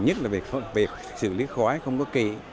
nhất là việc xử lý khói không có kỵ